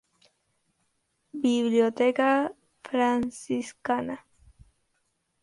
Biblioteca Franciscana.